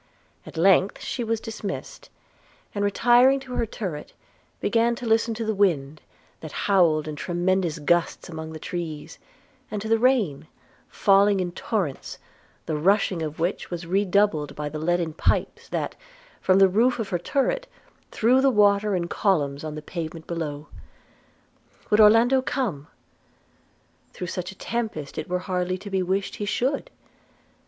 At length she was dismissed, and, retiring to her turret, began to listen to the wind, that howled in tremendous gusts among the trees, and to the rain falling in torrents, the rushing of which was redoubled by the leaden pipes that, from the roof of her turret, threw the water in columns on the pavement below. Would Orlando come? Through such a tempest it were hardly to be wished he should.